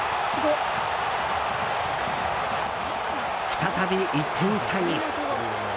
再び１点差に。